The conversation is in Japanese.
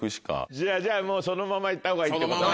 じゃあじゃあもうそのまま行ったほうがいいってことね。